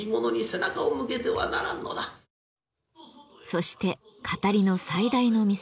そして語りの最大の見せ場。